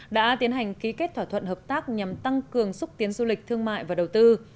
đã tiến hành ký kết thỏa thuận hợp tác nhằm tăng cường xúc tiến du lịch thương mại và đầu tư